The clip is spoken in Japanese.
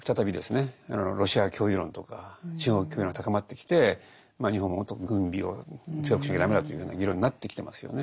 ロシア脅威論とか中国脅威論が高まってきて日本ももっと軍備を強くしなきゃダメだというふうな議論になってきてますよね。